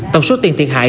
tổng số tiền thiệt hại